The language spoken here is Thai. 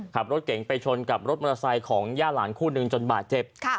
ขับรถเก่งไปชนกับรถมอเตอร์ไซค์ของย่าหลานคู่หนึ่งจนบาดเจ็บ